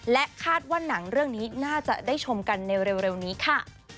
และคาดว่าหนังเรื่องนี้น่าจะได้ชมกันในเร็วนี้ค่ะ